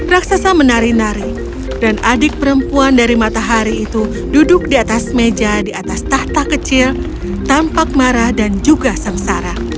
raksasa menari nari dan adik perempuan dari matahari itu duduk di atas meja di atas tahta kecil tampak marah dan juga sengsara